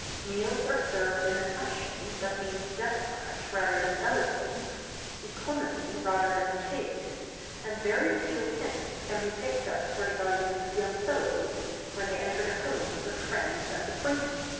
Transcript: ] Meals are served in a fashion that means despatch rather than elegance, economy rather than taste, and very few hints can be picked up for the guidance of young fellows when they enter the homes of friends and acquaintances.